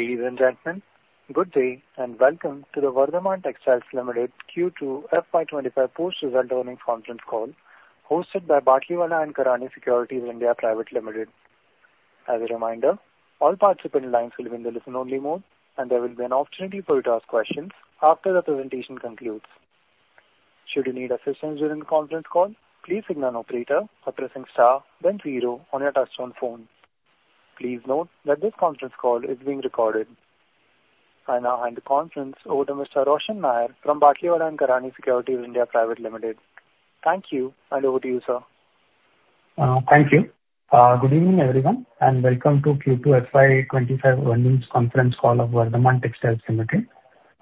Ladies and gentlemen, good day and welcome to the Vardhman Textiles Ltd Q2 FY25 Post Result Earnings Conference Call, hosted by Batlivala & Karani Securities India Pvt Ltd. As a reminder, all participating lines will be in the listen-only mode, and there will be an opportunity for you to ask questions after the presentation concludes. Should you need assistance during the conference call, please signal an operator by pressing star then zero on your touch-tone phone. Please note that this conference call is being recorded. I now hand the conference over to Mr. Roshan Nair from Batlivala & Karani Securities India Pvt Ltd. Thank you, and over to you, sir. Thank you. Good evening, everyone, and welcome to Q2 FY25 Earnings Conference Call of Vardhman Textiles Ltd.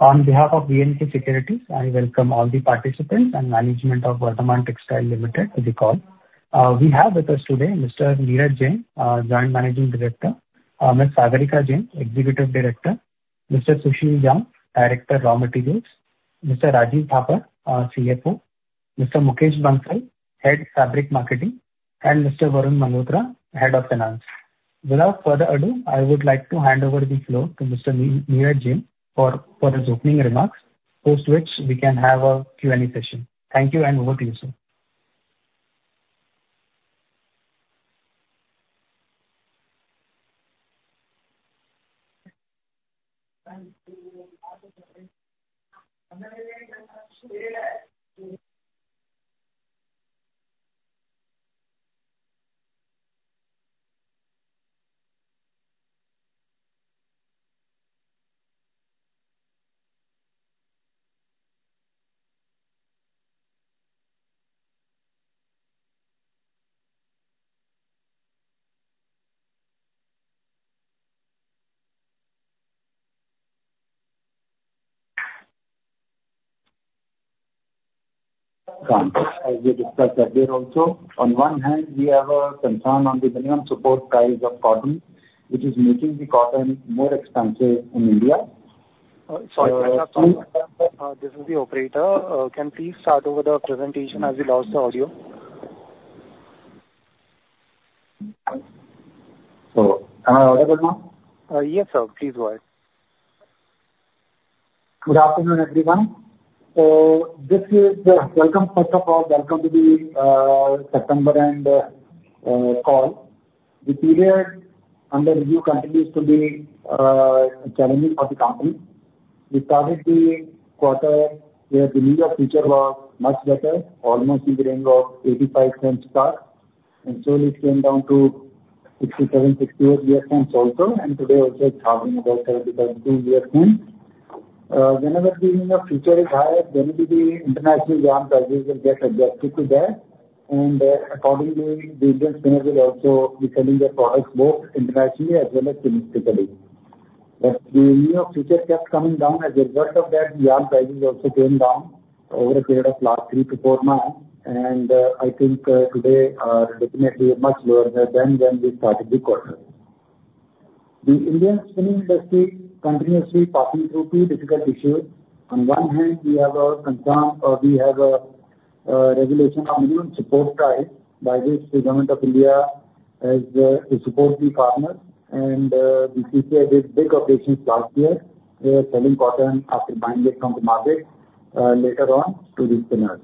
On behalf of B&K Securities, I welcome all the participants and management of Vardhman Textiles Ltd to the call. We have with us today Mr. Neeraj Jain, Joint Managing Director, Ms. Sagrika Jain, Executive Director, Mr. Sushil Jhamb, Director of Raw Materials, Mr. Rajeev Thapar, CFO, Mr. Mukesh Bansal, Head of Fabric Marketing, and Mr. Varun Malhotra, Head of Finance. Without further ado, I would like to hand over the floor to Mr. Neeraj Jain for his opening remarks, after which we can have a Q&A session. Thank you, and over to you, sir. As we discussed earlier, also, on one hand, we have a concern on the minimum support price of cotton, which is making the cotton more expensive in India. Sorry, I'm sorry. This is the operator. Can please start over the presentation as we lost the audio? Am I audible now? Yes, sir. Please go ahead. Good afternoon, everyone. So this is the welcome, first of all, welcome to the September end call. The period under review continues to be challenging for the company. We started the quarter where the New York Future was much better, almost in the range of $0.85 per, and so it came down to $0.67-$0.68 also, and today also it's hovering about $0.72. Whenever the New York Future is higher, then the international yarn prices will get adjusted to that, and accordingly, the Indian spinners will also be selling their products both internationally as well as domestically. But the New York Future kept coming down. As a result of that, the yarn prices also came down over a period of last three to four months, and I think today are definitely much lower than when we started the quarter. The Indian spinning industry continuously passing through two difficult issues. On one hand, we have a concern, or we have a regulation of minimum support price by which the Government of India has to support the farmers, and the CCI did big operations last year where selling cotton after buying it from the market later on to the spinners.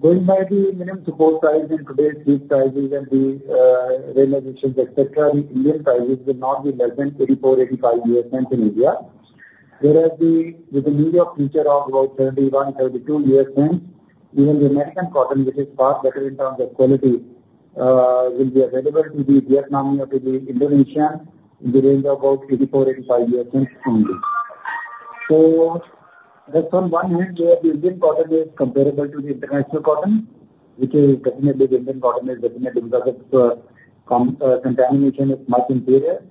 Going by the minimum support price and today's spot prices and the realizations, etc., the Indian prices will not be less than $0.84-$0.85 in India, whereas with the New York Future of about $0.71-$0.72, even the American cotton, which is far better in terms of quality, will be available to the Vietnamese or to the Indonesian in the range of about $0.84-$0.85 only. That's on one hand where the Indian cotton is comparable to the international cotton, which is definitely the Indian cotton is definitely because of contamination is much inferior.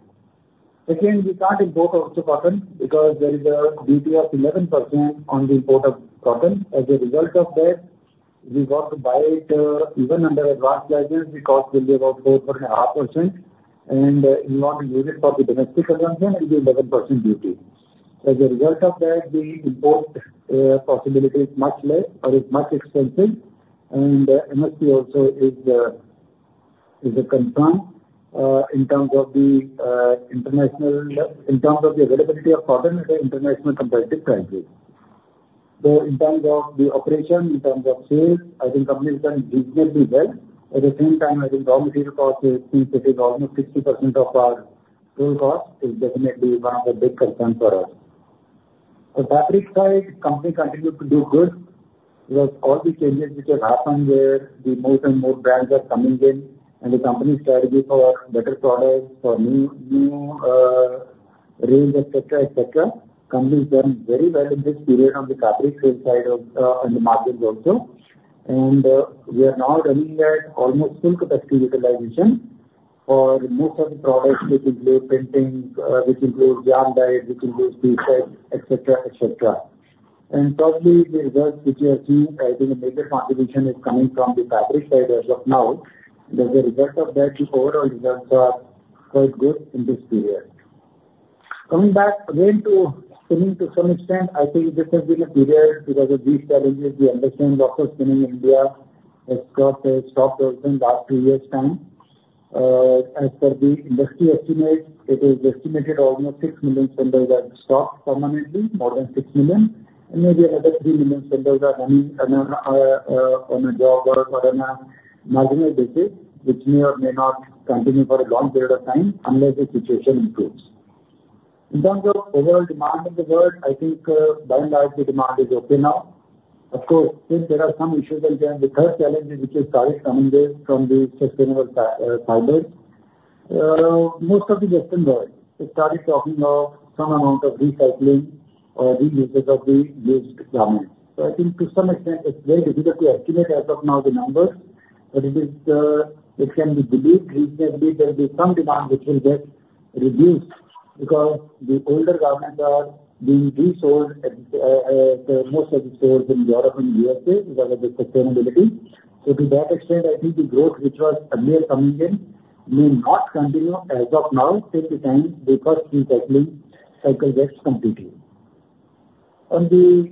Again, we can't import also cotton because there is a duty of 11% on the import of cotton. As a result of that, we want to buy it even under Advance License because it will be about 4%-4.5%, and we want to use it for the domestic consumption with the 11% duty. As a result of that, the import possibility is much less, or it's much expensive, and MSP also is a concern in terms of the availability of cotton at the international competitive prices. In terms of the operation, in terms of sales, I think companies can reasonably do well. At the same time, I think raw material cost, since it is almost 60% of our total cost, is definitely one of the big concerns for us. On the fabric side, the company continued to do good with all the changes which have happened where the more and more brands are coming in, and the company's strategy for better products, for new ranges, etc., etc., companies have done very well in this period on the fabric sales side and the margins also, and we are now running at almost full capacity utilization for most of the products, which include printing, which includes yarn dyed, which includes T-shirts, etc., etc. And probably the results which you have seen, I think the major contribution is coming from the fabric side as of now, and as a result of that, the overall results are quite good in this period. Coming back again to spinning to some extent, I think this has been a period because of these challenges. We understand lots of spinning in India has stopped over the last two years' time. As per the industry estimates, it is estimated almost 6 million spinners have stopped permanently, more than 6 million, and maybe another 3 million spinners are running on a job or on a marginal basis, which may or may not continue for a long period of time unless the situation improves. In terms of overall demand in the world, I think by and large the demand is okay now. Of course, since there are some issues in general, the third challenge is which has started coming from the sustainable fibers. Most of the Western world has started talking of some amount of recycling or reuse of the used garments. So, I think to some extent it's very difficult to estimate as of now the numbers, but it can be believed reasonably there will be some demand which will get reduced because the older garments are being resold at most of the stores in Europe and the U.S.A. because of the sustainability. So to that extent, I think the growth which was earlier coming in may not continue as of now till the time the first recycling cycle gets completed. On the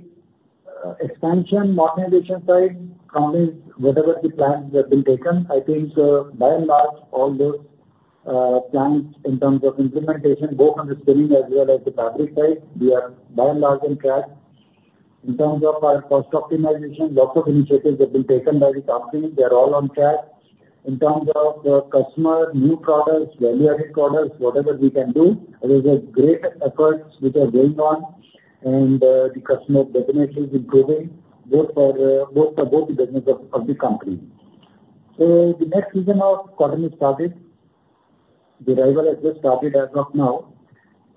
expansion modernization side, companies, whatever the plans that have been taken, I think by and large all those plans in terms of implementation, both on the spinning as well as the fabric side, we are by and large on track. In terms of our cost optimization, lots of initiatives have been taken by the companies. They are all on track. In terms of customer new products, value-added products, whatever we can do, there is a great effort which is going on, and the customer definitely is improving both for both the business of the company. So the next season of cotton is started. The arrival has just started as of now.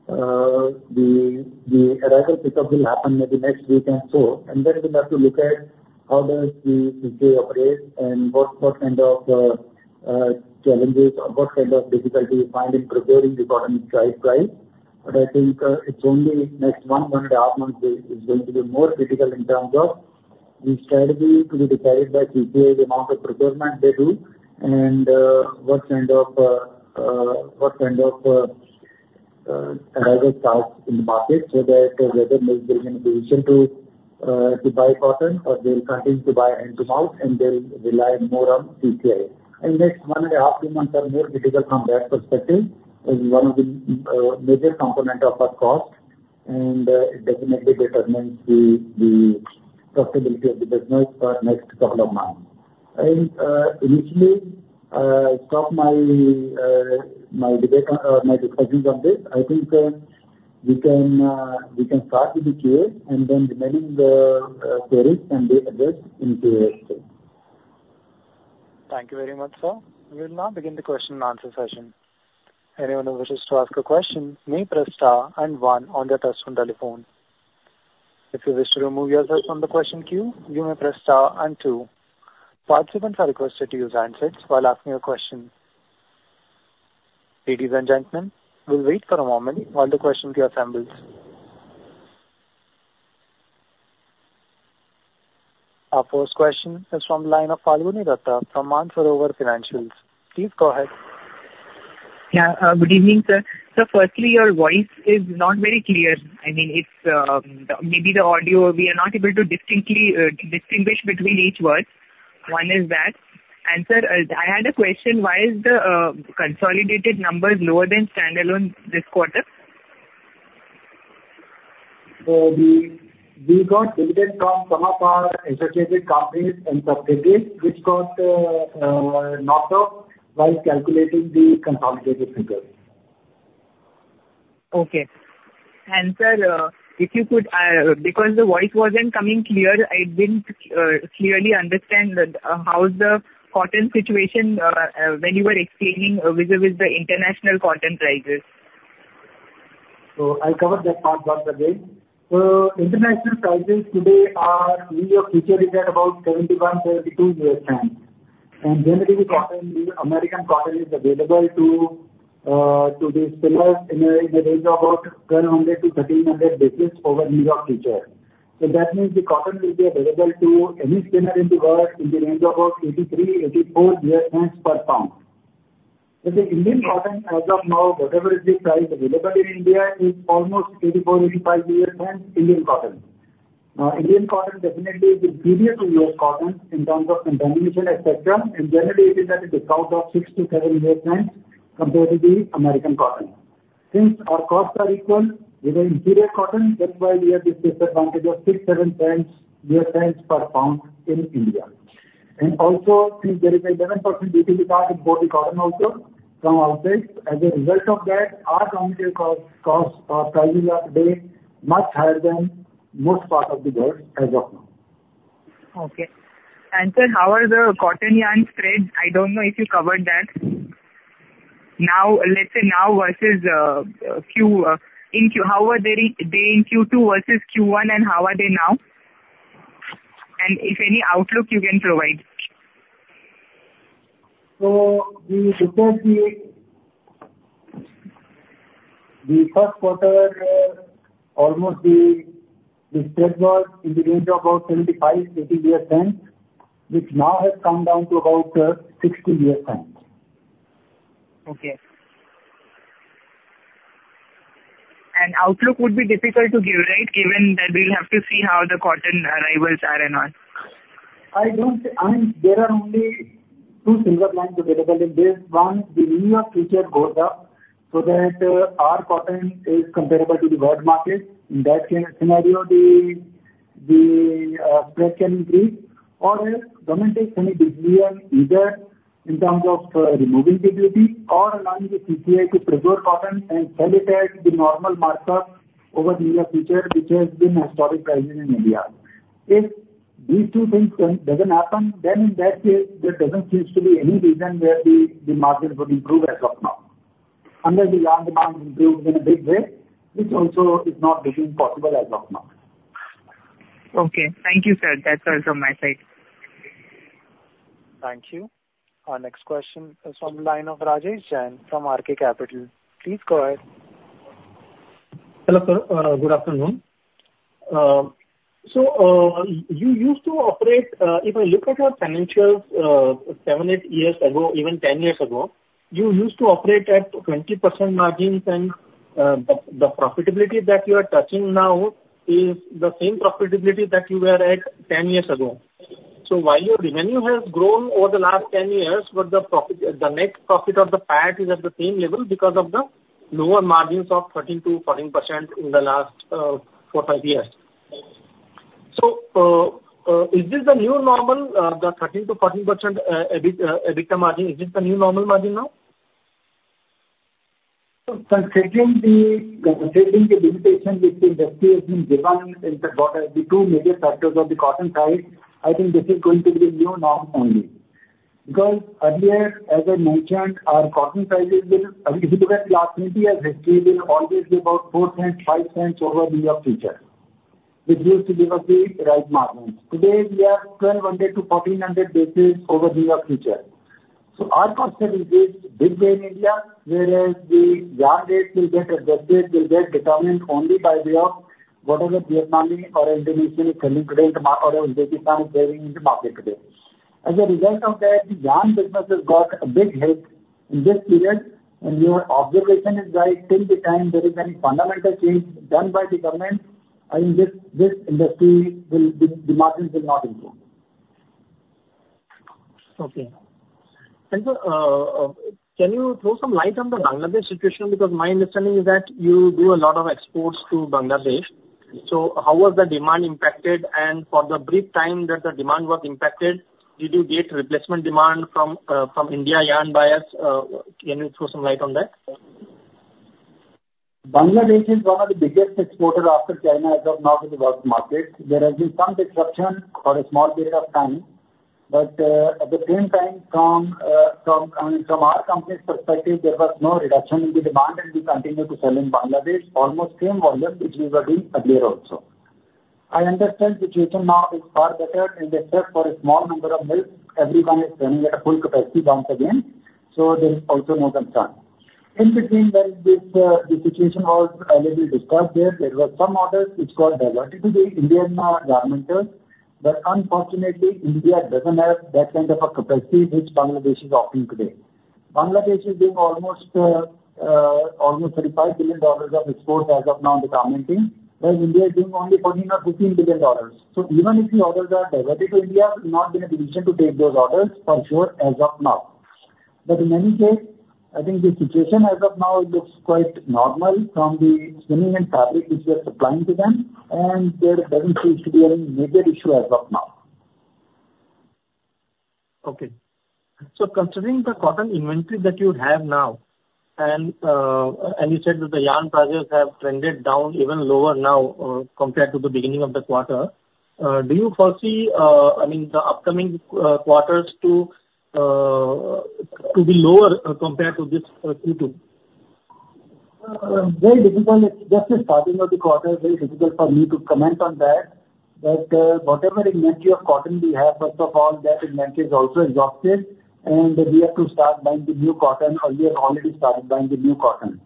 The arrival pickup will happen maybe next week and so, and then we'll have to look at how does the CCI operate and what kind of challenges or what kind of difficulty we find in procuring the cotton right price. But I think it's only next one and a half months is going to be more critical in terms of the strategy to be decided by CCI, the amount of procurement they do, and what kind of arrival starts in the market so that whether they'll be in a position to buy cotton or they'll continue to buy hand to mouth and they'll rely more on CCI. And next one and a half, two months are more critical from that perspective as one of the major components of our cost, and it definitely determines the profitability of the business for the next couple of months. I initially stopped my discussions on this. I think we can start with the Q&A, and then remaining queries can be addressed in Q&A stage. Thank you very much, sir. We will now begin the question and answer session. Anyone who wishes to ask a question may press star and one on their touch-tone telephone. If you wish to remove yourself from the question queue, you may press star and two. Participants are requested to use handsets while asking a question. Ladies and gentlemen, we'll wait for a moment while the question queue assembles. Our first question is from the line of Falguni Dutta from Mansarovar Financials. Please go ahead. Yeah, good evening, sir. So firstly, your voice is not very clear. I mean, maybe the audio, we are not able to distinguish between each word. One is that. And sir, I had a question, why is the consolidated numbers lower than standalone this quarter? So we got dividend comps some of our associated companies and subsidiaries, which got knocked off while calculating the consolidated figures. Okay. And sir, if you could, because the voice wasn't coming clear, I didn't clearly understand how the cotton situation when you were explaining vis-à-vis the international cotton prices. So, I'll cover that part once again. International prices today are New York Future at about $0.71-$0.72. And generally, the cotton, the American cotton is available to the spinners in the range of about 1,200-1,300 basis points over New York Future. So that means the cotton will be available to any spinner in the world in the range of about $0.83-$0.84 per lbs. So the Indian cotton as of now, whatever is the price available in India, is almost $0.84-$0.85 Indian cotton. Indian cotton definitely is inferior to U.S. cotton in terms of contamination, etc., and generally, it is at a discount of $0.06-$0.07 compared to the American cotton. Since our costs are equal, we have inferior cotton, that's why we have this disadvantage of $0.06-$0.07 per lbs in India. Also, since there is an 11% duty we charge for the cotton also from outside, as a result of that, our domestic costs are priced up today much higher than most part of the world as of now. Okay. And sir, how are the cotton yarn spreads? I don't know if you covered that. Now, let's say now versus Q1 in Q2, how were they in Q2 versus Q1, and how are they now? And if any outlook you can provide. We looked at the first quarter, almost the spread was in the range of about $0.75-$0.80, which now has come down to about $0.60. Okay. And outlook would be difficult to give, right, given that we'll have to see how the cotton arrivals are and all. I don't think there are only two silver linings available in this. One, the New York Future goes up so that our cotton is comparable to the world market. In that scenario, the spread can increase, or else government intervention either in terms of removing the duty or allowing the CCI to procure cotton and sell it at the normal markup over the New York Future, which has been historical prices in India. If these two things don't happen, then in that case, there doesn't seem to be any reason where the margin would improve as of now. Unless the yarn demand improves in a big way, which also is not looking possible as of now. Okay. Thank you, sir. That's all from my side. Thank you. Our next question is from the line of Rajesh Jain from RK Capital. Please go ahead. Hello, sir. Good afternoon. So you used to operate, if I look at your financials seven, eight years ago, even 10 years ago, you used to operate at 20% margins, and the profitability that you are touching now is the same profitability that you were at 10 years ago. So while your revenue has grown over the last 10 years, the net profit of the PAT is at the same level because of the lower margins of 13%-14% in the last four, five years. So is this the new normal, the 13%-14% EBITDA margin? Is this the new normal margin now? Considering the limitation which the industry has been given in the two major factors of the cotton price, I think this is going to be the new norm only. Because earlier, as I mentioned, our cotton prices will, if you look at the last 20 years' history, will always be about four cents, five cents over New York Future, which used to give us the right margins. Today, we are 1,200-1,400 basis points over New York Future. So our costs have increased big way in India, whereas the yarn rates will get adjusted, will get determined only by way of whatever Vietnam or Indonesia is selling today or Uzbekistan is selling in the market today. As a result of that, the yarn business has got a big hit in this period, and your observation is that till the time there is any fundamental change done by the government, I think this industry will, the margins will not improve. Okay. And sir, can you throw some light on the Bangladesh situation? Because my understanding is that you do a lot of exports to Bangladesh. So how was the demand impacted? And for the brief time that the demand was impacted, did you get replacement demand from India yarn buyers? Can you throw some light on that? Bangladesh is one of the biggest exporters after China as of now to the world market. There has been some disruption for a small period of time, but at the same time, from our company's perspective, there was no reduction in the demand, and we continued to sell in Bangladesh almost same volume which we were doing earlier also. I understand the situation now is far better, and except for a small number of mills, everyone is selling at a full capacity once again, so there is also no concern. In between, when the situation was a little disturbed there, there were some orders which got diverted to the Indian garment, but unfortunately, India doesn't have that kind of a capacity which Bangladesh is offering today. Bangladesh is doing almost $35 billion of exports as of now in the garmenting, while India is doing only $14 billion or $15 billion. So even if the orders are diverted to India, there has not been a decision to take those orders for sure as of now. But in any case, I think the situation as of now looks quite normal from the spinning and fabric which we are supplying to them, and there doesn't seem to be any major issue as of now. Okay. So considering the cotton inventory that you have now, and you said that the yarn prices have trended down even lower now compared to the beginning of the quarter, do you foresee, I mean, the upcoming quarters to be lower compared to this Q2? Very difficult. It's just the starting of the quarter. Very difficult for me to comment on that. But whatever inventory of cotton we have, first of all, that inventory is also exhausted, and we have to start buying the new cotton, or we have already started buying the new cotton.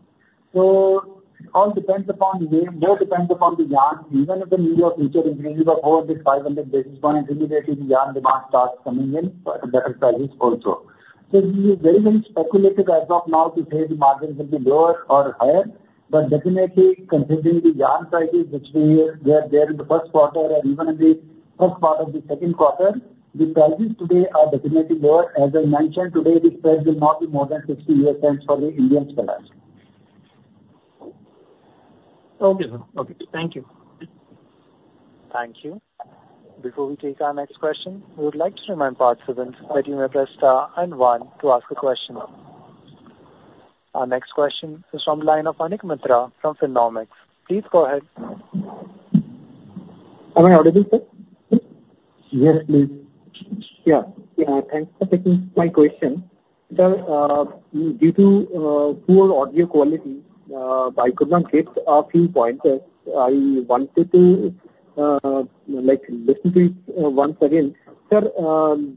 So it all depends upon the MSP, more depends upon the yarn. Even if the New York Future increases by 400-500 basis points, immediately the yarn demand starts coming in at better prices also. So we are very, very speculative as of now to say the margins will be lower or higher, but definitely, considering the yarn prices which we were there in the first quarter and even in the first part of the second quarter, the prices today are definitely lower. As I mentioned, today the spread will not be more than $0.60 for the Indian spinners. Okay, sir. Okay. Thank you. Thank you. Before we take our next question, we would like to remind participants that you may press star and one to ask a question. Our next question is from the line of Anik Mitra from Finnomics. Please go ahead. Am I audible, sir? Yes, please. Yeah. Thanks for taking my question. Sir, due to poor audio quality, I could not get a few points. I wanted to listen to it once again. Sir,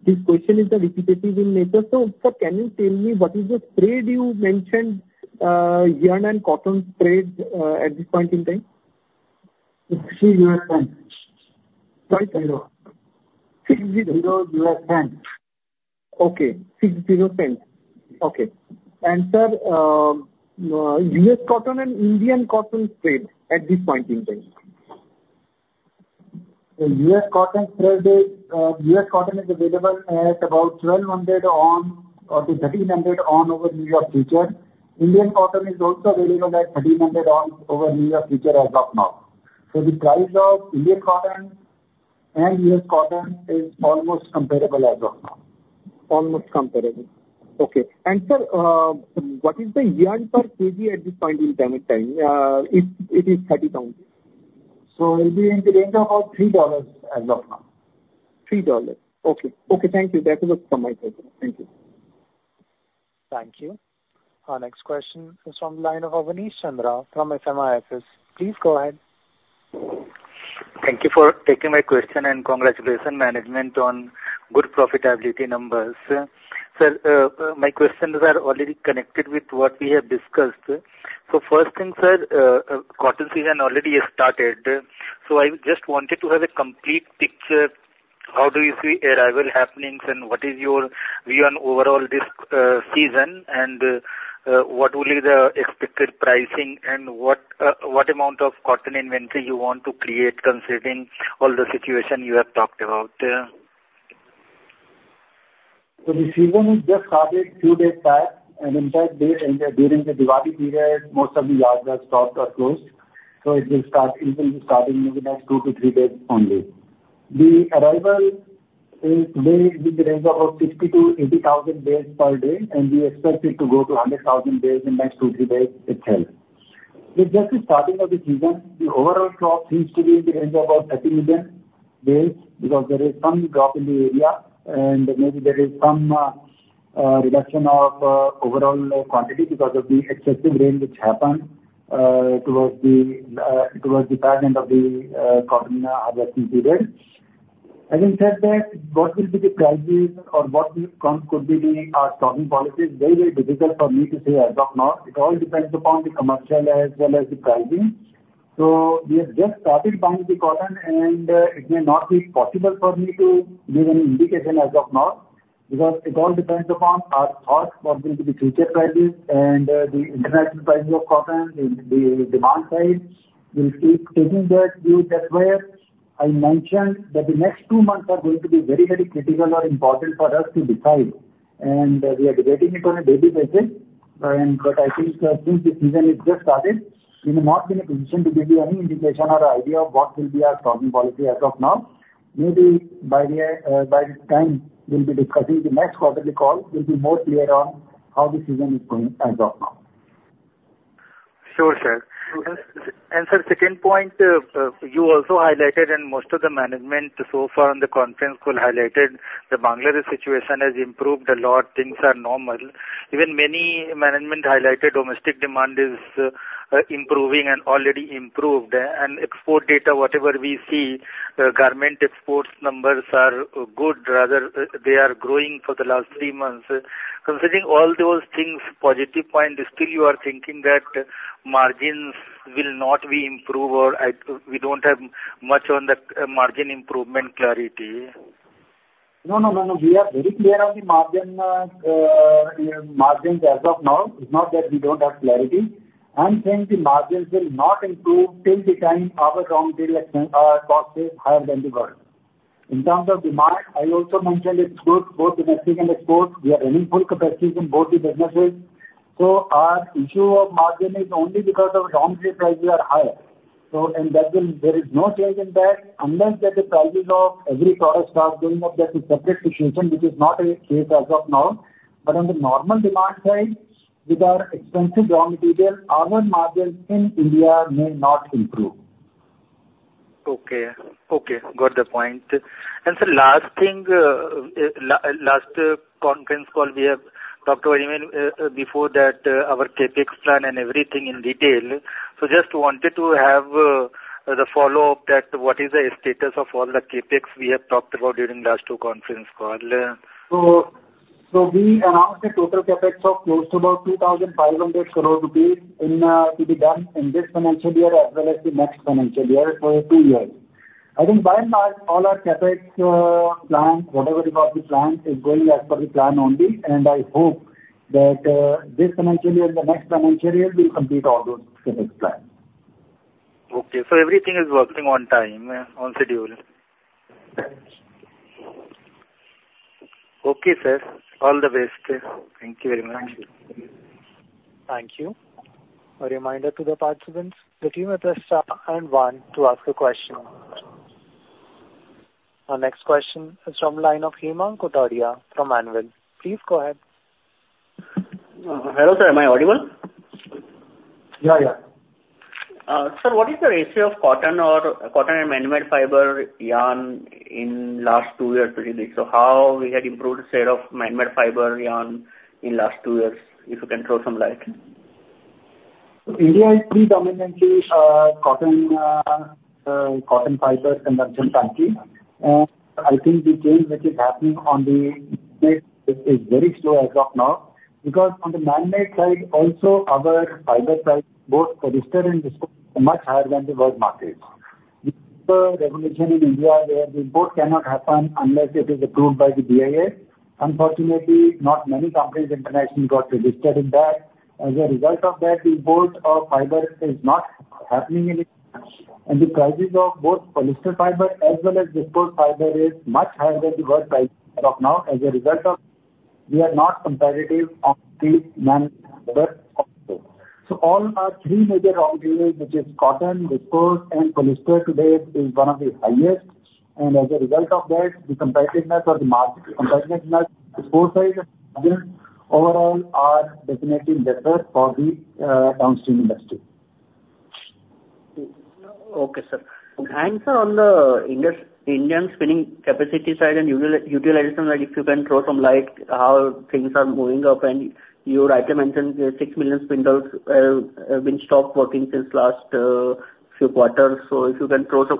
this question is repetitive in nature. So, sir, can you tell me what is the spread you mentioned, yarn and cotton spread at this point in time? $0.60 Right. $0.60. Okay. $0.60. Okay, and, sir, U.S. cotton and Indian cotton spread at this point in time? U.S. cotton is available at about 1,200 or to 1,300 over New York Future. Indian cotton is also available at 1,300 over New York Future as of now. So the price of Indian cotton and U.S. cotton is almost comparable as of now. Almost comparable. Okay. And, sir, what is the yarn per kg at this point in time if it is 30 lbs? So it will be in the range of about $3 as of now. $3 Okay. Okay. Thank you. That was from my side. Thank you. Thank you. Our next question is from the line of Awanish Chandra from SMIFS. Please go ahead. Thank you for taking my question, and congratulations, management, on good profitability numbers. Sir, my questions are already connected with what we have discussed. So first thing, sir, cotton season already has started. So I just wanted to have a complete picture. How do you see arrival happenings, and what is your view on overall this season, and what will be the expected pricing, and what amount of cotton inventory you want to create considering all the situation you have talked about? The season has just started two days back, and in fact, during the Diwali period, most of the yards are stopped or closed. It will start, it will be starting in the next two to three days only. The arrival is today in the range of about 60,000-80,000 bales per day, and we expect it to go to 100,000 bales in the next two to three days itself. With just the starting of the season, the overall drop seems to be in the range of about 30 million bales because there is some drop in the area, and maybe there is some reduction of overall quantity because of the excessive rain which happened towards the back end of the cotton harvesting period. Having said that, what will be the prices or what could be our stocking policies? Very, very difficult for me to say as of now. It all depends upon the commercial as well as the pricing. So we have just started buying the cotton, and it may not be possible for me to give any indication as of now because it all depends upon our thoughts what will be the future prices and the international prices of cotton, the demand side. We'll keep taking that view. That's why I mentioned that the next two months are going to be very, very critical or important for us to decide. And we are debating it on a daily basis, but I think since the season has just started, we may not be in a position to give you any indication or idea of what will be our stocking policy as of now. Maybe by the time we'll be discussing the next quarterly call, we'll be more clear on how the season is going as of now. Sure, sir. And sir, second point, you also highlighted, and most of the management so far on the conference call highlighted the Bangladesh situation has improved a lot. Things are normal. Even many management highlighted domestic demand is improving and already improved. And export data, whatever we see, government exports numbers are good. Rather, they are growing for the last three months. Considering all those things, positive point, still you are thinking that margins will not be improved or we don't have much on the margin improvement clarity? No, no, no, no. We are very clear on the margins as of now. It's not that we don't have clarity. I'm saying the margins will not improve till the time our raw material cost is higher than the world. In terms of demand, I also mentioned it's good. Both domestic and exports, we are running full capacity in both the businesses. So our issue of margin is only because of raw material prices are higher. So there is no change in that unless the prices of every product start going up. That's a separate situation, which is not the case as of now. But on the normal demand side, with our expensive raw material, our margins in India may not improve. Okay. Okay. Got the point. And sir, last thing, last conference call, we have talked about even before that our CapEx plan and everything in detail. So just wanted to have the follow-up that what is the status of all the CapEx we have talked about during last two conference calls? So we announced a total CapEx of close to about 2,500 crore rupees to be done in this financial year as well as the next financial year for two years. I think by and large, all our CapEx plans, whatever it was the plan, is going as per the plan only. And I hope that this financial year and the next financial year will complete all those CapEx plans. Okay. So everything is working on time, on schedule. Okay, sir. All the best. Thank you very much. Thank you. A reminder to the participants, the team has pressed star and one to ask a question. Our next question is from the line of Hemang Kotadia from Anvil. Please go ahead. Hello, sir. Am I audible? Yeah, yeah. Sir, what is the ratio of cotton or cotton and manmade fiber yarn in the last two years? So how we had improved the share of manmade fiber yarn in the last two years, if you can throw some light? India is predominantly cotton fiber conversion country, and I think the change which is happening on the manmade side is very slow as of now because on the manmade side, also our fiber price, both polyester and viscose, is much higher than the world market. The regulation in India where imports cannot happen unless it is approved by the BIS. Unfortunately, not many companies internationally got registered in that. As a result of that, the import of fiber is not happening anymore, and the prices of both polyester fiber as well as viscose fiber is much higher than the world price as of now. As a result of that, we are not competitive on these manmade fiber also, so all our three major raw materials, which are cotton, viscose, and polyester, today is one of the highest. As a result of that, the competitiveness or the market competitiveness, domestic side and manmade overall are definitely better for the downstream industry. Okay, sir. And sir, on the Indian spinning capacity side and utilization side, if you can throw some light, how things are moving up? And you rightly mentioned 6 million spindles have been stopped working since last few quarters. So if you can throw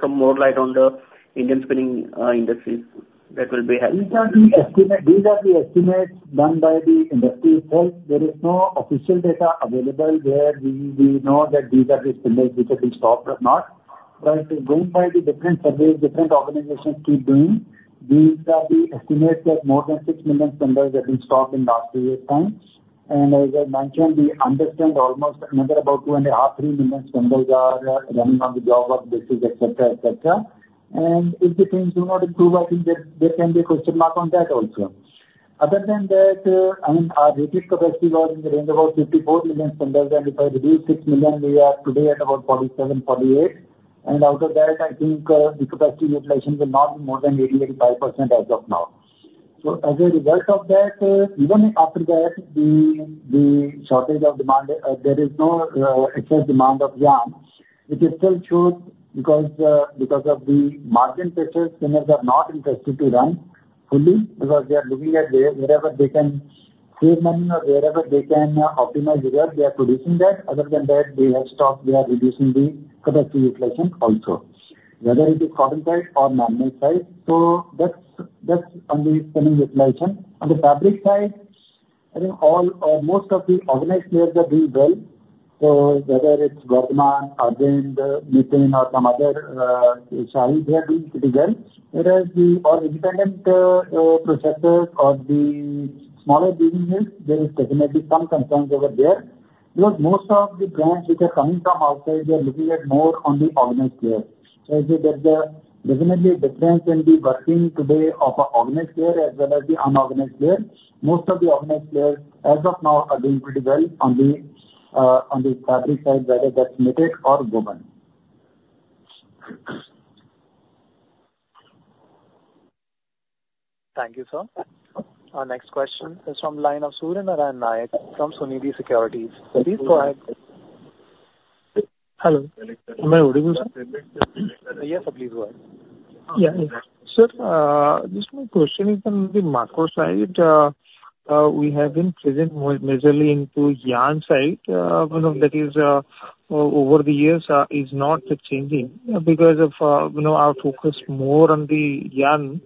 some more light on the Indian spinning industry, that will be helpful. These are the estimates done by the industry itself. There is no official data available where we know that these are the spindles which have been stopped or not. But going by the different surveys, different organizations keep doing, these are the estimates that more than 6 million spindles have been stopped in the last two years' time. And as I mentioned, we understand almost another about 2.5 million-3 million spindles are running on the job-to-job basis, etc., etc. And if the things do not improve, I think there can be a question mark on that also. Other than that, I mean, our rated capacity was in the range of about 54 million spindles. And if I reduce 6 million, we are today at about 47, 48. And out of that, I think the capacity utilization will not be more than 80%-85% as of now. So as a result of that, even after that, the shortage of demand, there is no excess demand of yarn, which is still true because of the margin pressures. Spinners are not interested to run fully because they are looking at ways wherever they can save money or wherever they can optimize the work; they are producing that. Other than that, they have stopped. They are reducing the capacity utilization also, whether it is cotton side or manmade side. So that's on the spinning utilization. On the fabric side, I think most of the organized players are doing well. So whether it's Vardhman, Arvind, Nitin, or some other shares, they are doing pretty well. Whereas the all-independent processors or the smaller businesses, there is definitely some concerns over there because most of the brands which are coming from outside, they are looking at more on the organized players. So I think there's definitely a difference in the working today of an organized player as well as the unorganized player. Most of the organized players as of now are doing pretty well on the fabric side, whether that's knitted or woven. Thank you, sir. Our next question is from the line of Surya Narayan Nayak from Sunidhi Securities. Please go ahead. Hello. Am I audible, sir? Yes, sir, please go ahead. Yeah, yeah. Sir, just my question is on the macro side. We have been present majorly into yarn side. That is, over the years, is not changing because of our focus more on the yarn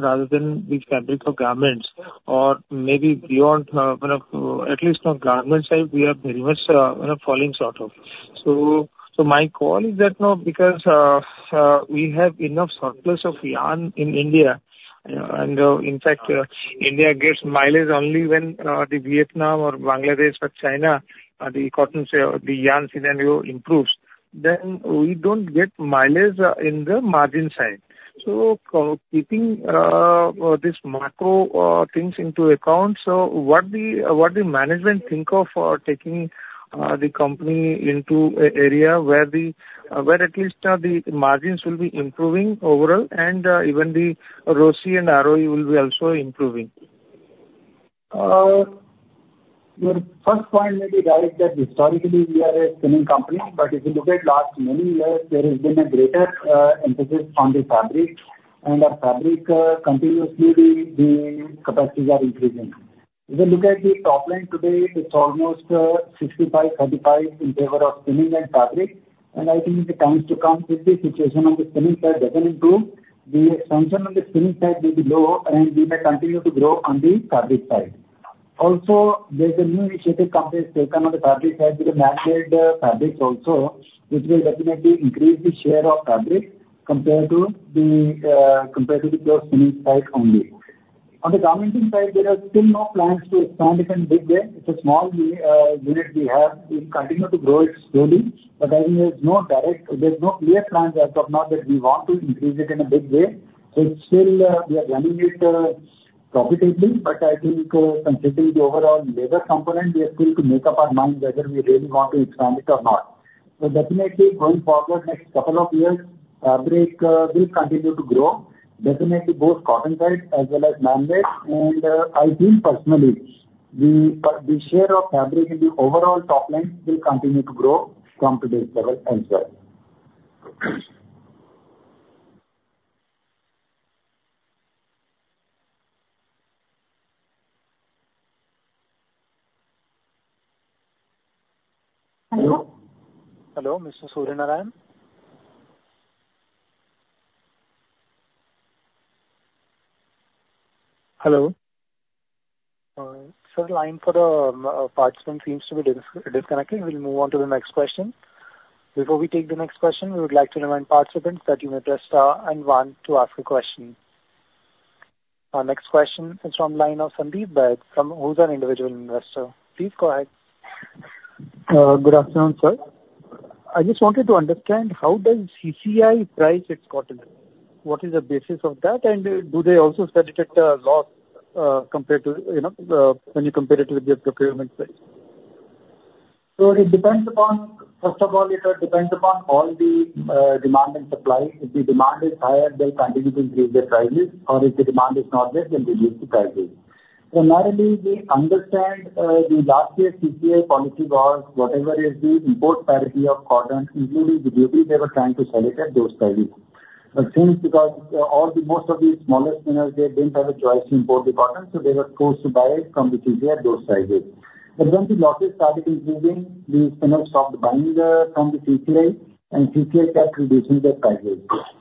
rather than the fabric of garments. Or maybe beyond, at least on garment side, we are very much falling short of. So my call is that because we have enough surplus of yarn in India. And in fact, India gets mileage only when the Vietnam or Bangladesh or China or the cotton yarn scenario improves. Then we don't get mileage in the margin side. So keeping these macro things into account, so what does management think of taking the company into an area where at least the margins will be improving overall and even the ROCE and ROE will be also improving? Your first point may be right that historically we are a spinning company, but if you look at last many years, there has been a greater emphasis on the fabric, and our fabric continuously, the capacities are increasing. If you look at the top line today, it's almost 65-35 in favor of spinning and fabric, and I think in the times to come if the situation on the spinning side doesn't improve, the expansion on the spinning side may be low, and we may continue to grow on the fabric side. Also, there's a new initiative company has taken on the fabric side with the manmade fabrics also, which will definitely increase the share of fabric compared to the pure spinning side only. On the garmenting side, there are still no plans to expand it in a big way. It's a small unit we have. We continue to grow it slowly. But I think there's no clear plans as of now that we want to increase it in a big way. So still, we are running it profitably. But I think considering the overall labor component, we are still to make up our mind whether we really want to expand it or not. So definitely going forward, next couple of years, fabric will continue to grow. Definitely both cotton side as well as manmade. And I think personally, the share of fabric in the overall top line will continue to grow from today's level as well. Hello? Hello, Mr. Suryanarayan? Hello. Sir, the line for the participant seems to be disconnecting. We'll move on to the next question. Before we take the next question, we would like to remind participants that you may press star and one to ask a question. Our next question is from the line of Sandeep Baid, who is an individual investor. Please go ahead. Good afternoon, sir. I just wanted to understand how does CCI price its cotton? What is the basis of that? And do they also set it at a loss compared to when you compare it with the procurement price? So it depends upon, first of all, it depends upon all the demand and supply. If the demand is higher, they'll continue to increase their prices. Or if the demand is not there, they'll reduce the prices. Primarily, we understand the last year's CCI policy was whatever is the import parity of cotton, including the duty they were trying to sell it at those prices. But since because most of the smaller spinners, they didn't have a choice to import the cotton, so they were forced to buy it from the CCI at those prices. But when the losses started increasing, the spinners stopped buying from the CCI, and CCI kept reducing their prices.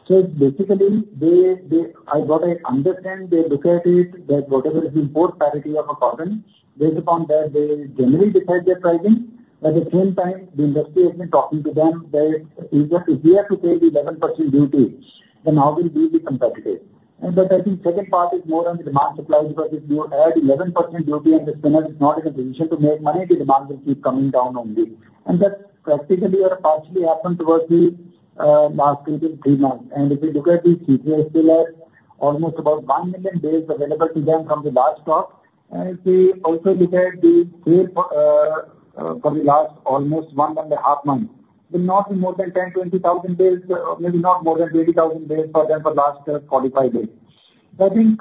So basically, I thought I understand they look at it that whatever is the import parity of a cotton, based upon that, they generally decide their pricing. At the same time, the industry has been talking to them that if we have to pay the 11% duty, then how will we be competitive? But I think the second part is more on the demand-supply because if you add 11% duty and the spinner is not in a position to make money, the demand will keep coming down only. And that practically or partially happened towards the last two to three months. And if you look at the CCI still has almost about 1 million bales available to them from the last stock. And if we also look at the sale for the last almost 1.5 months, it will not be more than 10,000-20,000 bales, maybe not more than 20,000 bales for them for the last 45 days. So I think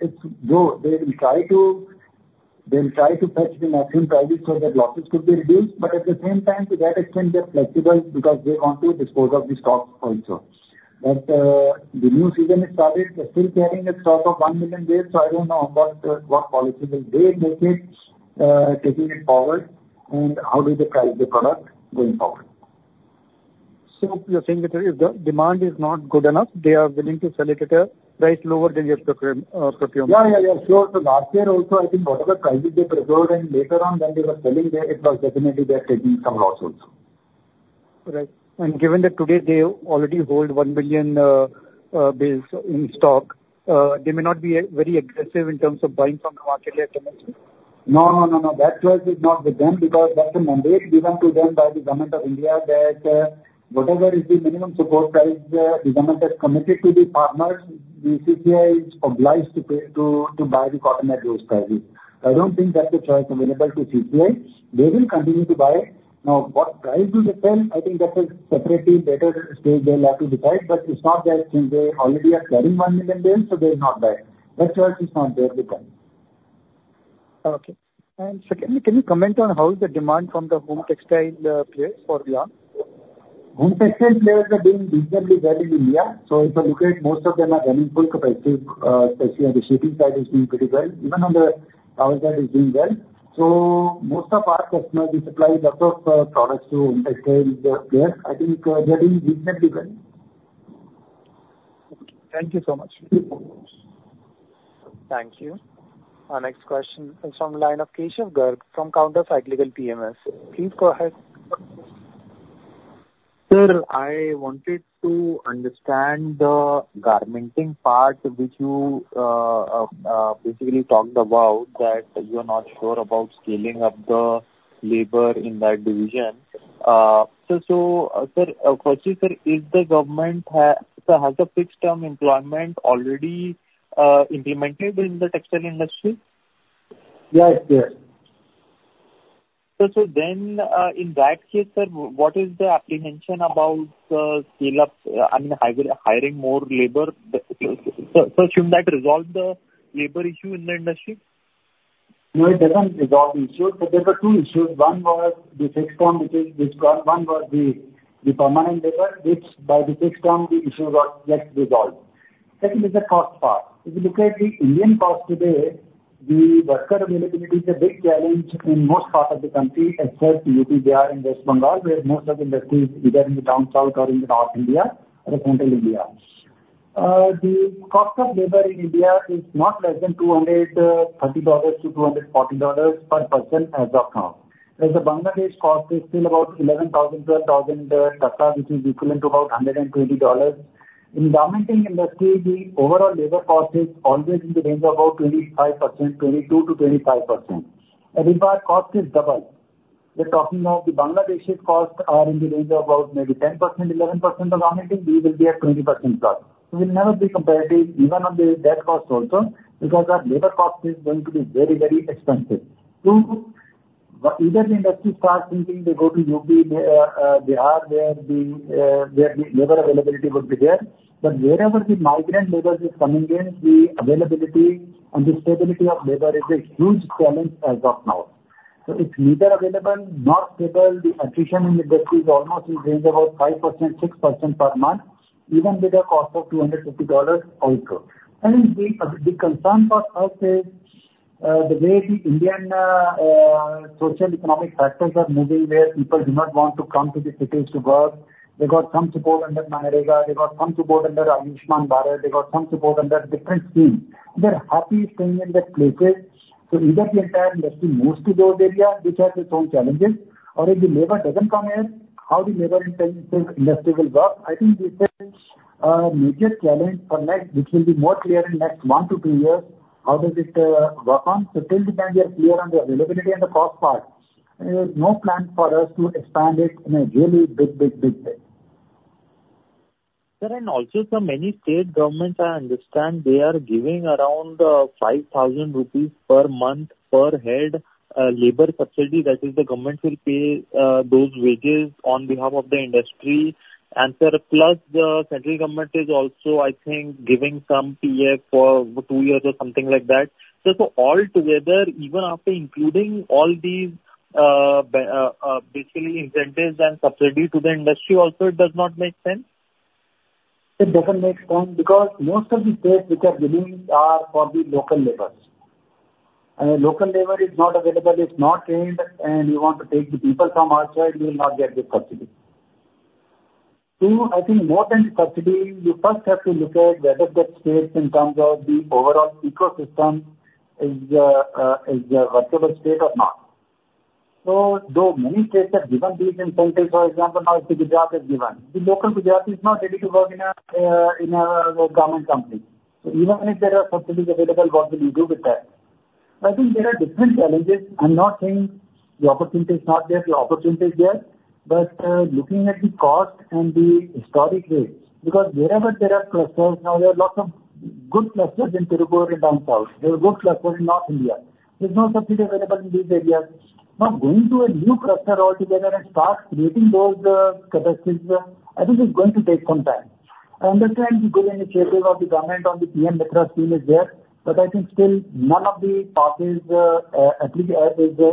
it's good. They will try to fetch the maximum prices so that losses could be reduced. But at the same time, to that extent, they're flexible because they want to dispose of the stocks also. But the new season has started. They're still carrying a stock of 1 million bales. So I don't know what policy will they take it, taking it forward, and how do they price the product going forward? So you're saying that if the demand is not good enough, they are willing to sell it at a price lower than your procurement? Yeah, yeah, yeah. Sure. So last year also, I think whatever prices they reserved and later on when they were selling there, it was definitely they're taking some loss also. Right, and given that today they already hold one million bales in stock, they may not be very aggressive in terms of buying from the market yet, right? No, no, no, no. That choice is not with them because that's a mandate given to them by the Government of India that whatever is the minimum support price the government has committed to the farmers, the CCI is obliged to buy the cotton at those prices. So I don't think that's a choice available to CCI. They will continue to buy. Now, what price do they sell? I think that's a separate, better stage they'll have to decide. But it's not that since they already are selling 1 million bales, so they'll not buy. That choice is not there with them. Okay. And sir, can you comment on how is the demand from the home textile players for the yarn? Home textile players are doing reasonably well in India. So if you look at most of them are running full capacity. Especially on the sheeting side, it's doing pretty well. How is that? It's doing well. So most of our customers, we supply lots of products to home textile players. I think they're doing reasonably well. Thank you so much. Thank you. Our next question is from the line of Keshav Garg from Counter Cyclical PMS. Please go ahead. Sir, I wanted to understand the garmenting part which you basically talked about that you are not sure about scaling up the labor in that division. So sir, firstly, sir, is the government has a fixed-term employment already implemented in the textile industry? Yes, yes. So then in that case, sir, what is the apprehension about the scale-up, I mean, hiring more labor? So shouldn't that resolve the labor issue in the industry? No, it doesn't resolve the issue. So there were two issues. One was the fixed-term, which is distinct. One was the permanent labor, which by the fixed-term, the issues are just resolved. Second is the cost part. If you look at the Indian cost today, the worker availability is a big challenge in most parts of the country, except Uttar Pradesh and West Bengal, where most of the industries are either in the down south or in the north India or central India. The cost of labor in India is not less than $230-$240 per person as of now. As the Bangladesh cost is still about 11,000-12,000 Taka, which is equivalent to about $120. In the garmenting industry, the overall labor cost is always in the range of about 25%, 22%-25%. In apparel, cost is double. We're talking of the Bangladeshis' costs are in the range of about maybe 10%-11% of garmenting. We will be at 20%+. So we'll never be competitive even on the debt cost also because our labor cost is going to be very, very expensive. Two, either the industry starts thinking they go to UP, Bihar, where the labor availability would be there. But wherever the migrant labor is coming in, the availability and the stability of labor is a huge challenge as of now. So it's neither available, not stable. The attrition in the industry is almost in the range of about 5%-6% per month, even with a cost of $250 also. And the concern for us is the way the Indian social economic factors are moving, where people do not want to come to the cities to work. They got some support under MGNREGA. They got some support under Ayushman Bharat. They got some support under different schemes. They're happy staying in their places. So either the entire industry moves to those areas, which has its own challenges. Or if the labor doesn't come here, how the labor-intensive industry will work? I think this is a major challenge for next, which will be more clear in the next one to two years, how does it work on. So till the time we are clear on the availability and the cost part, there is no plan for us to expand it in a really big, big, big way. Sir, and also so many state governments, I understand they are giving around 5,000 rupees per month per head labor subsidy. That is, the government will pay those wages on behalf of the industry. And sir, plus the central government is also, I think, giving some PF for two years or something like that. So all together, even after including all these basically incentives and subsidies to the industry also, it does not make sense? It doesn't make sense because most of the states which are giving are for the local laborers. And the local labor is not available. It's not trained. And you want to take the people from outside, you will not get this subsidy. Too, I think more than the subsidy, you first have to look at whether that state in terms of the overall ecosystem is a workable state or not. So though many states have given these incentives, for example, now if the Gujarat is given, the local Gujarati is not ready to work in a garment company. So even if there are subsidies available, what will you do with that? I think there are different challenges. I'm not saying the opportunity is not there. The opportunity is there. But looking at the cost and the historic rates, because wherever there are clusters, now there are lots of good clusters in Tirupur and down south. There are good clusters in North India. There's no subsidy available in these areas. Now going to a new cluster altogether and start creating those capacities, I think it's going to take some time. I understand the good initiative of the government on the PM-MITRA Scheme is there. But I think still none of the parks is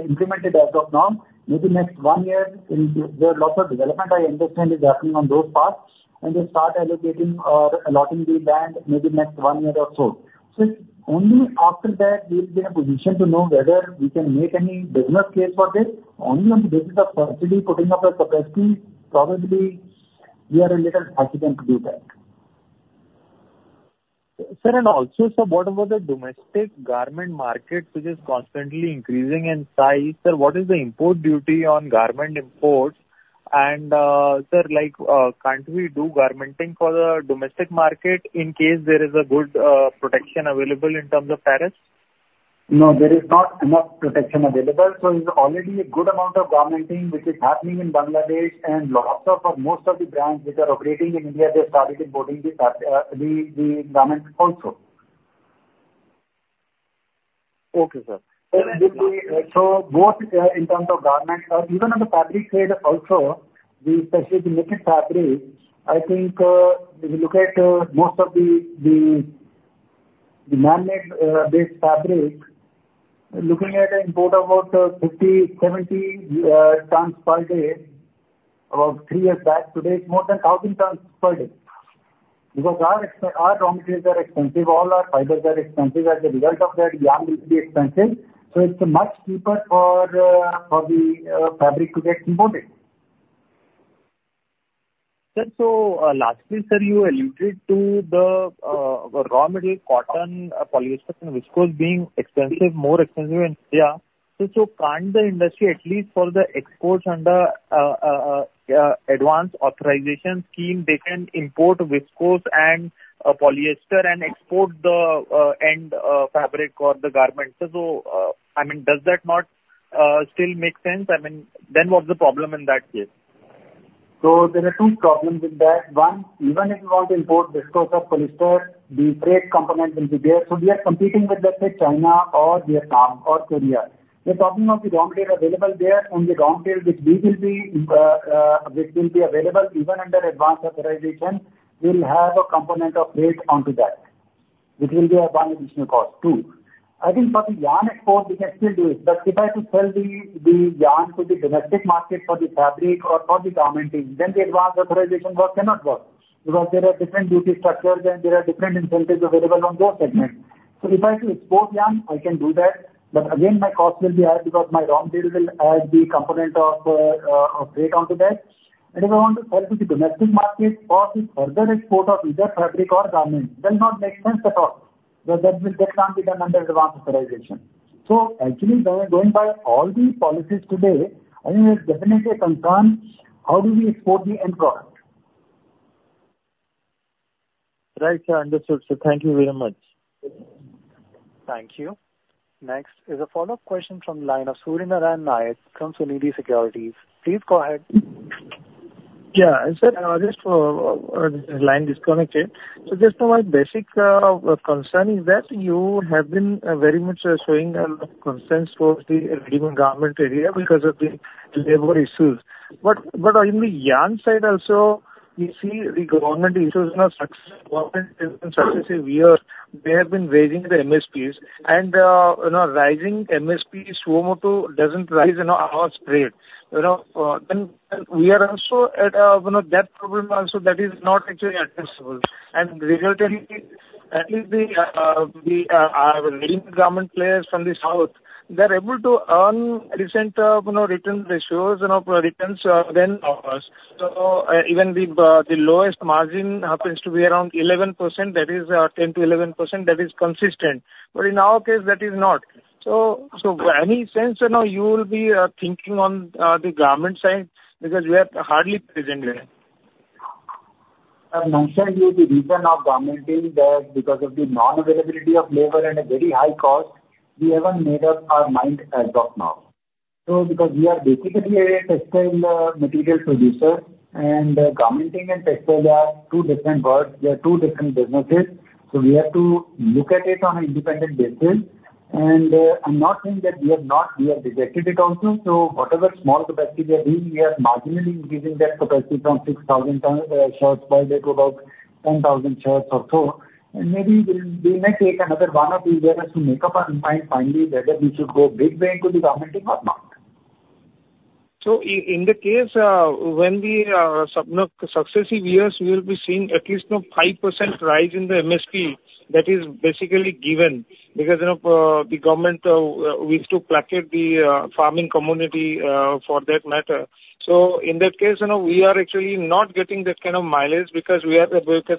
implemented as of now. Maybe next one year, there are lots of development, I understand, is happening on those parks. And they start allocating or allotting the land maybe next one year or so. So only after that, we'll be in a position to know whether we can make any business case for this. Only on the basis of subsidy putting up a capacity, probably we are a little hesitant to do that. Sir, and also, sir, what about the domestic garment market, which is constantly increasing in size? Sir, what is the import duty on garment imports? And sir, can't we do garmenting for the domestic market in case there is a good protection available in terms of tariffs? No, there is not enough protection available, so there's already a good amount of garmenting, which is happening in Bangladesh, and lots of most of the brands which are operating in India, they started importing the garments also. Okay, sir. So both in terms of garment, even on the fabric trade also, especially the knitted fabric, I think if you look at most of the manmade-based fabric, looking at the import of about 50-70 tons per day, about three years back, today it's more than 1,000 tons per day. Because our raw materials are expensive. All our fibers are expensive. As a result of that, yarn will be expensive. So it's much cheaper for the fabric to get imported. Sir, so lastly, sir, you alluded to the raw material cotton, polyester, and viscose being expensive, more expensive in India. So can't the industry, at least for the exports under Advance Authorization Scheme, they can import viscose and polyester and export the end fabric or the garment? So, I mean, does that not still make sense? I mean, then what's the problem in that case? So there are two problems with that. One, even if you want to import viscose or polyester, the trade component will be there. So we are competing with, let's say, China or Vietnam or Korea. We're talking of the raw material available there. And the raw material which will be available, even under Advance Authorization, will have a component of trade onto that, which will be a one additional cost. Two, I think for the yarn export, we can still do it. But if I have to sell the yarn to the domestic market for the fabric or for the garmenting, then the Advance Authorization work cannot work because there are different duty structures and there are different incentives available on those segments. So if I have to export yarn, I can do that. But again, my cost will be high because my raw material will add the component of trade onto that. And if I want to sell to the domestic market, cost is further export of either fabric or garment. It will not make sense at all. That will not be done under Advance Authorization. So actually, going by all the policies today, I think there's definitely a concern how do we export the end product? Right, sir. Understood. Sir, thank you very much. Thank you. Next is a follow-up question from the line of Surya narayan Nayak from Sunidhi Securities. Please go ahead. Yeah, sir, just the line disconnected. So just my basic concern is that you have been very much showing a concern towards the ready-made garment area because of the labor issues. But on the yarn side also, you see the government issues, government interventions. They have been raising the MSPs. And rising MSPs too doesn't raise our trade. Then we are also at that problem also that is not actually addressable. And resultingly, at least the ready-made garment players from the south, they're able to earn decent return ratios and returns than us. So even the lowest margin happens to be around 11%. That is 10%-11%. That is consistent. But in our case, that is not. In any sense, you will be thinking on the garment side because we are hardly present there. I've mentioned to you the reason for garmenting, because of the non-availability of labor and a very high cost, we haven't made up our mind as of now. Because we are basically a textile material producer, and garmenting and textile are two different worlds. They are two different businesses. We have to look at it on an independent basis. I'm not saying that we have rejected it also. Whatever small capacity we are doing, we are marginally increasing that capacity from 6,000 shirts per day to about 10,000 shirts or so. Maybe we may take another one or two years to make up our mind finally whether we should go in a big way into the garmenting or not. So, in the case when, in successive years, we will be seeing at least a 5% rise in the MSP. That is basically given because the government wishes to uplift the farming community for that matter. So, in that case, we are actually not getting that kind of mileage because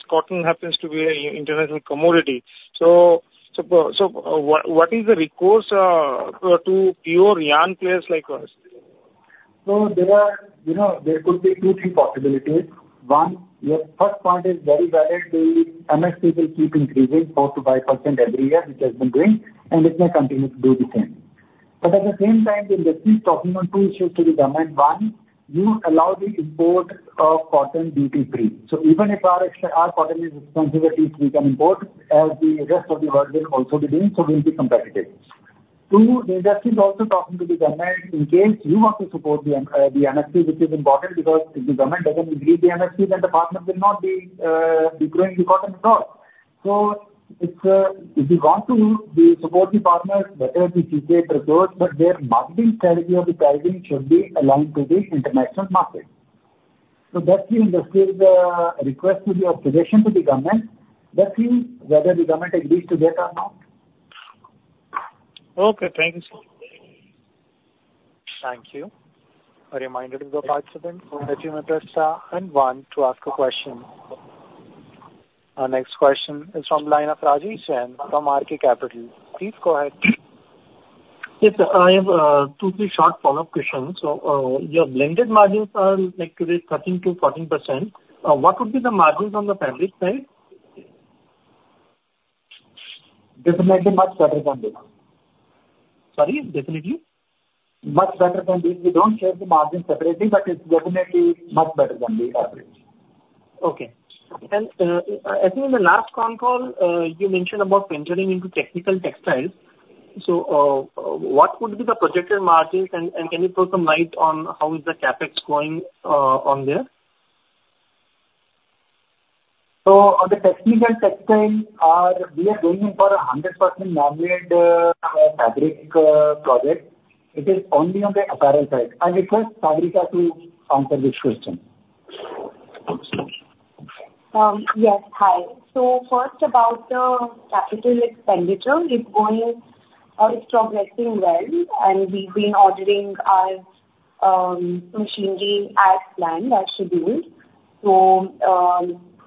cotton happens to be an international commodity. So, what is the recourse for pure yarn players like us? There could be two possibilities. One, your first point is very valid. The MSP will keep increasing 4%-5% every year, which has been doing. And it may continue to do the same. But at the same time, the industry is talking on two issues to the government. One, you allow the import of cotton duty-free. So even if our cotton is expensive, at least we can import as the rest of the world will also be doing. So we'll be competitive. Two, the industry is also talking to the government in case you want to support the MSP, which is important because if the government doesn't agree with the MSP, then the farmer will not be growing the cotton at all. So if you want to support the farmers, whatever the CCI prefers, but their marketing strategy or the targeting should be aligned to the international market. So that's the industry's request to the administration to the government. Let's see whether the government agrees to that or not. Okay, thank you, sir. Thank you. A reminder to the participants [next room at PM MITRA]. Anyone to ask a question. Our next question is from the line of Rajesh Jain from RK Capital. Please go ahead. Yes, sir. I have two or three short follow-up questions. So your blended margins are today 13%-14%. What would be the margins on the fabric side? Definitely much better than this. Sorry? Definitely? Much better than this. We don't share the margin separately, but it's definitely much better than the average. Okay. And I think in the last con call, you mentioned about venturing into technical textiles. So what would be the projected margins? And can you throw some light on how is the CapEx going on there? So on the technical textile, we are going in for a 100% manmade fabric project. It is only on the apparel side. I request Sagrika to answer this question. Yes, hi. So first, about the capital expenditure, it's progressing well. And we've been ordering our machinery as planned, as scheduled. So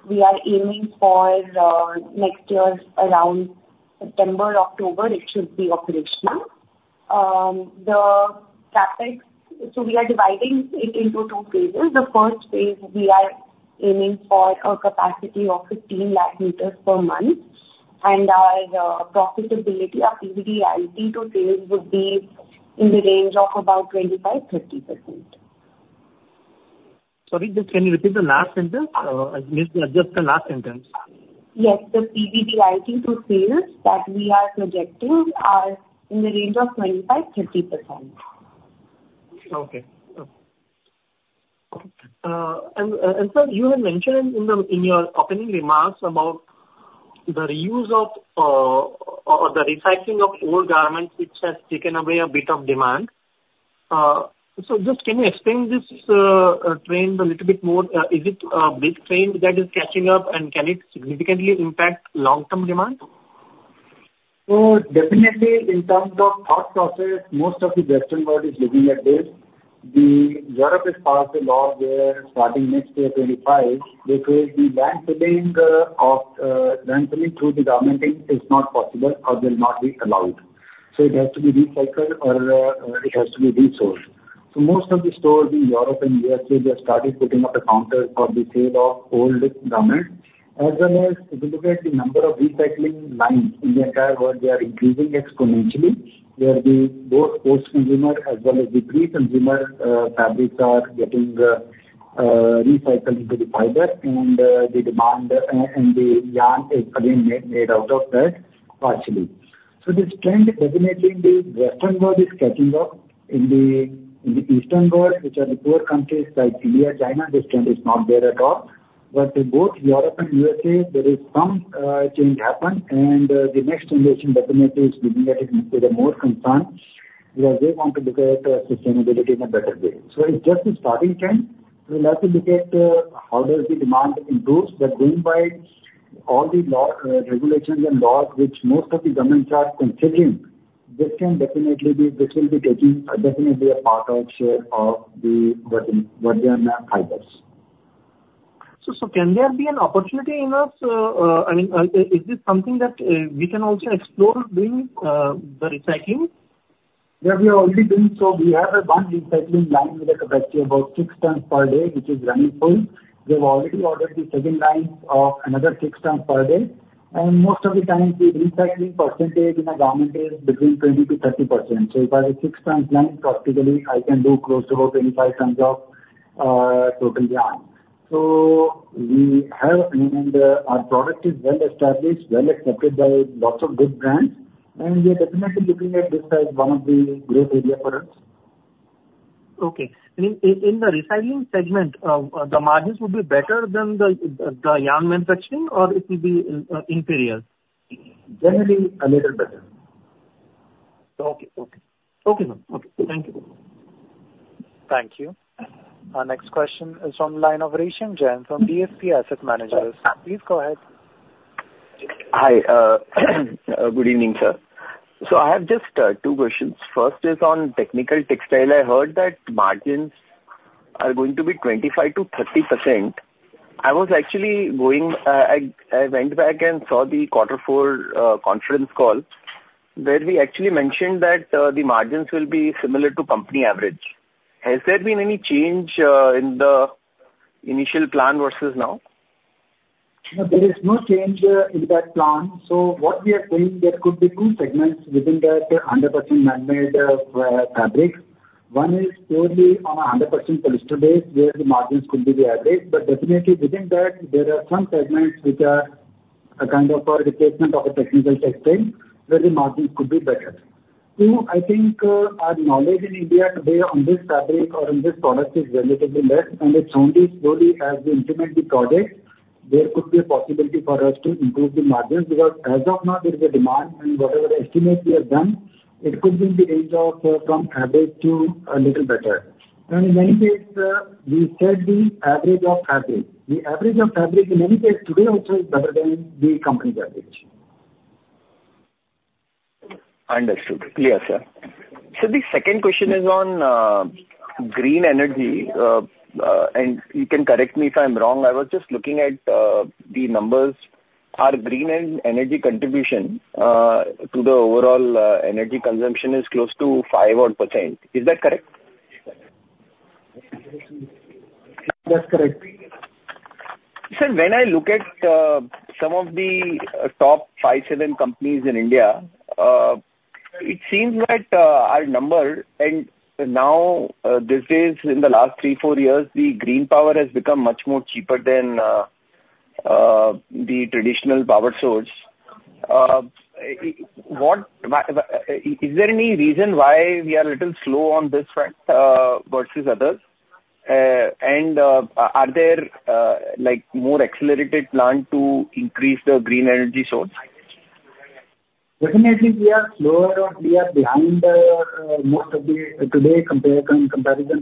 we are aiming for next year, around September, October, it should be operational. So we are dividing it into two phases. The first phase, we are aiming for a capacity of 15 lakh meters per month. And our profitability of EBITDA to sales would be in the range of about 25%-30%. Sorry, just can you repeat the last sentence? I missed the last sentence. Yes, the PBDIT to sales that we are projecting are in the range of 25%-30%. Okay. And sir, you had mentioned in your opening remarks about the reuse of or the recycling of old garments, which has taken away a bit of demand. So just can you explain this trend a little bit more? Is it a big trend that is catching up? And can it significantly impact long-term demand? Definitely, in terms of thought process, most of the Western world is looking at this. Europe is part of the law where starting next year 2025, which is the landfilling of garments is not possible or will not be allowed. It has to be recycled or it has to be resold. Most of the stores in Europe and U.S.A. have started putting up a counter for the sale of old garments. As well as, if you look at the number of recycling lines in the entire world, they are increasing exponentially, where both post-consumer as well as pre-consumer fabrics are getting recycled into the fiber. The demand and the yarn is again made out of that partially. This trend definitely in the Western world is catching up. In the Eastern world, which are the poor countries like India, China, this trend is not there at all. But in both Europe and U.S.A., there is some change happened. And the next generation definitely is looking at it with a more concern because they want to look at sustainability in a better way. So it's just the starting trend. We'll have to look at how does the demand improve. But going by all the regulations and laws which most of the governments are considering, this will be taking definitely a part of share of the virgin fibers. So can there be an opportunity in us? I mean, is this something that we can also explore doing the recycling? Yeah, we are already doing so. We have one recycling line with a capacity of about 6 tons per day, which is running full. We have already ordered the second line of another 6 tons per day. And most of the time, the recycling percentage in a garment is between 20% to 30%. So if I have a 6-ton line, practically, I can do close to about 25 tons of total yarn. So we have, and our product is well established, well accepted by lots of good brands. And we are definitely looking at this as one of the growth areas for us. Okay. I mean, in the recycling segment, the margins would be better than the yarn manufacturing, or it would be inferior? Generally, a little better. Okay, sir. Thank you. Thank you. Our next question is from the line of Resham Jain from DSP Asset Managers. Please go ahead. Hi. Good evening, sir. So I have just two questions. First is on technical textile. I heard that margins are going to be 25%-30%. I actually went back and saw the quarter four conference call where we actually mentioned that the margins will be similar to company average. Has there been any change in the initial plan versus now? There is no change in that plan. So what we are saying, there could be two segments within that 100% manmade fabric. One is purely on a 100% polyester base, where the margins could be the average. But definitely within that, there are some segments which are a kind of replacement of a technical textile where the margins could be better. Two, I think our knowledge in India today on this fabric or on this product is relatively less. And it's only slowly as we implement the project, there could be a possibility for us to improve the margins because as of now, there is a demand. And whatever estimates we have done, it could be in the range of from average to a little better. And in many cases, we set the average of fabric. The average of fabric in many cases today also is better than the company's average. Understood. Clear, sir. So the second question is on green energy. And you can correct me if I'm wrong. I was just looking at the numbers. Our green energy contribution to the overall energy consumption is close to 5% or 1%. Is that correct? That's correct. Sir, when I look at some of the top five, seven companies in India, it seems that our number and now, these days, in the last three, four years, the green power has become much more cheaper than the traditional power source. Is there any reason why we are a little slow on this front versus others, and are there more accelerated plans to increase the green energy source? Definitely, we are slower or we are behind most of the today compared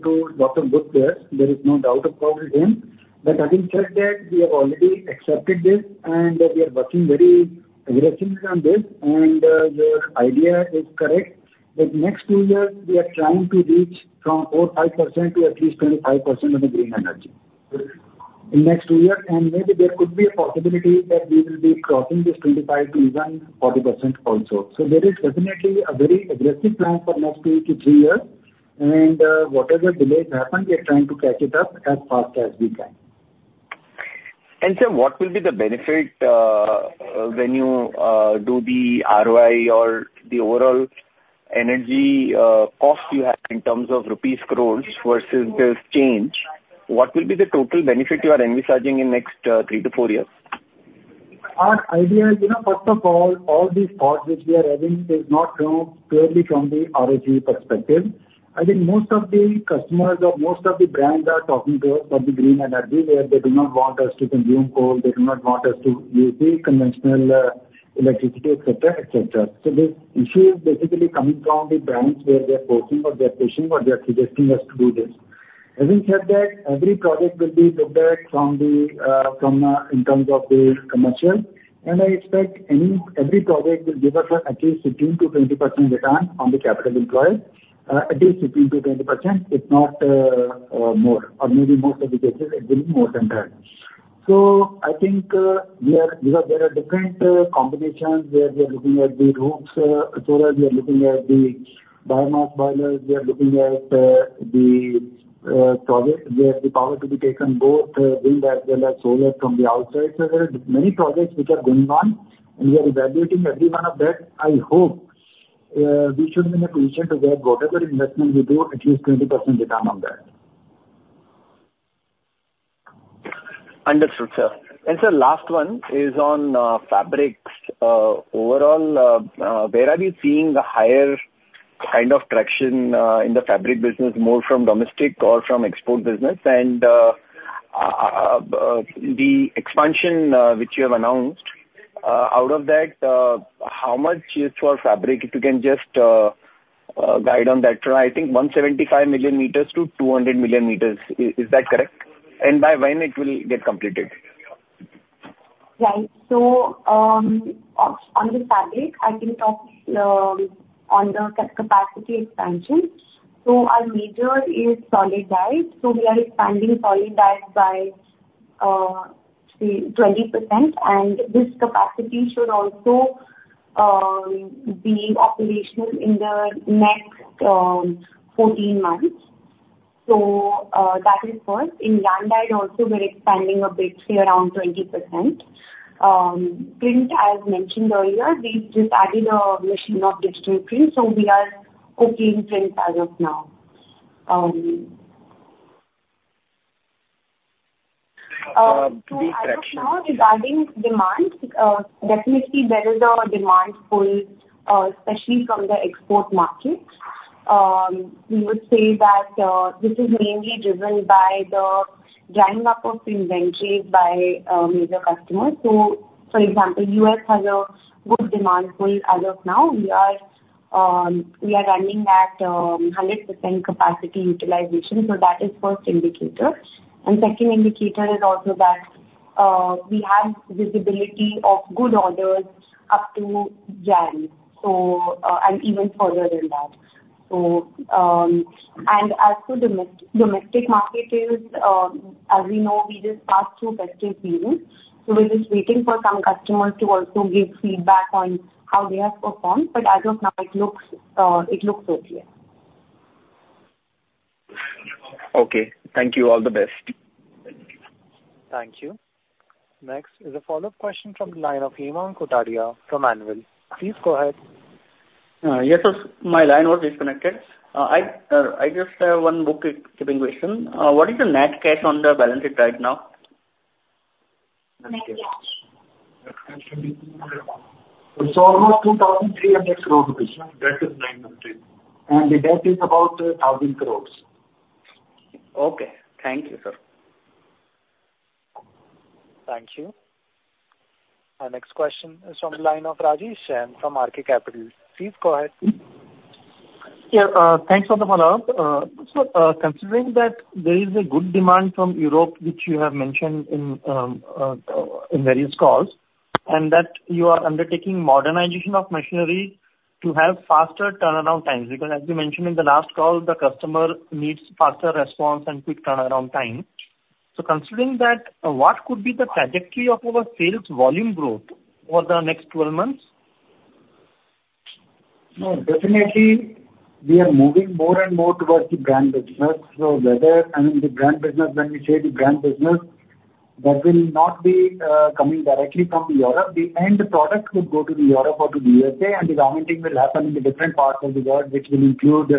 to lots of good players. There is no doubt about it. But having said that, we have already accepted this, and we are working very aggressively on this. And your idea is correct. But next two years, we are trying to reach from 4%-5% to at least 25% on the green energy in the next two years. And maybe there could be a possibility that we will be crossing this 25% to even 40% also. So there is definitely a very aggressive plan for next two to three years. And whatever delays happen, we are trying to catch it up as fast as we can. Sir, what will be the benefit when you do the ROI or the overall energy cost you have in terms of rupees crores versus this change? What will be the total benefit you are envisaging in the next three to four years? Our idea is, first of all, all these thoughts which we are having is not clearly from the ROCE perspective. I think most of the customers or most of the brands are talking to us about the green energy, where they do not want us to consume coal. They do not want us to use the conventional electricity, etc., etc. So this issue is basically coming from the brands where they're forcing or they're pushing or they're suggesting us to do this. Having said that, every project will be looked at from in terms of the commercial. And I expect every project will give us at least 15%-20% return on the capital employed, at least 15%-20%, if not more. Or maybe most of the cases, it will be more than that. So, I think there are different combinations where we are looking at the roofs, solar. We are looking at the biomass boilers. We are looking at the projects where the power to be taken both wind as well as solar from the outside. So, there are many projects which are going on, and we are evaluating every one of that. I hope we should be in a position to get whatever investment we do, at least 20% return on that. Understood, sir. And sir, last one is on fabrics. Overall, where are you seeing the higher kind of traction in the fabric business, more from domestic or from export business? And the expansion which you have announced, out of that, how much is for fabric, if you can just guide on that? I think 175 million meters-200 million meters. Is that correct? And by when it will get completed? Right. So on the fabric, I can talk on the capacity expansion. So our major is solid dyed. So we are expanding solid dyed by 20%. And this capacity should also be operational in the next 14 months. So that is first. In yarn dyed also, we're expanding a bit to around 20%. Print, as mentioned earlier, we just added a machine of digital print. So we are copying prints as of now. Two questions. Regarding demand, definitely there is a demand pull, especially from the export market. We would say that this is mainly driven by the drying up of inventories by major customers, so for example, U.S. has a good demand pull as of now. We are running at 100% capacity utilization, so that is first indicator, and second indicator is also that we have visibility of good orders up to January, and even further than that. And as for the domestic market, as we know, we just passed through festive seasons, so we're just waiting for some customers to also give feedback on how they have performed, but as of now, it looks okay. Okay. Thank you. All the best. Thank you. Next is a follow-up question from the line of Hemang Kotadia from Anvil. Please go ahead. Yes, sir. My line was disconnected. I just have one bookkeeping question. What is the net cash on the balance sheet right now? Net cash? It's almost 2,300 crore rupees. That is 900. And the debt is about INR 1,000 crores. Okay. Thank you, sir. Thank you. Our next question is from the line of Rajesh Jain from RK Capital. Please go ahead. Yeah. Thanks for the follow-up. So considering that there is a good demand from Europe, which you have mentioned in various calls, and that you are undertaking modernization of machinery to have faster turnaround times, because as you mentioned in the last call, the customer needs faster response and quick turnaround time. So considering that, what could be the trajectory of our sales volume growth for the next 12 months? No. Definitely, we are moving more and more towards the brand business. So whether I mean, the brand business, when we say the brand business, that will not be coming directly from Europe. The end product would go to Europe or to the U.S.A., and the garmenting will happen in the different parts of the world, which may include